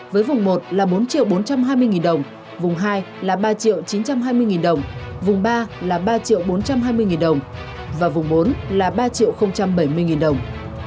với vùng một là bốn bốn trăm hai mươi đồng vùng hai là ba chín trăm hai mươi đồng vùng ba là ba bốn trăm hai mươi đồng và vùng bốn là ba bảy mươi đồng